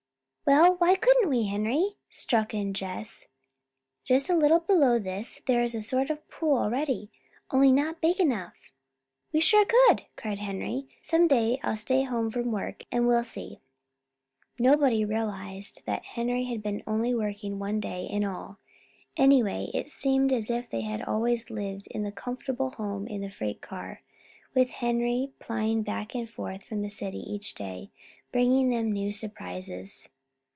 "Well, why couldn't we, Henry?" struck in Jess. "Just a little below this there is a sort of pool already, only not big enough." "We sure could!" cried Henry. "Some day I'll stay home from work, and we'll see." Nobody realized that Henry had been working only one day in all. Anyway it seemed as if they had always lived in the comfortable home in the freight car, with Henry plying back and forth from the city each day, bringing them new surprises.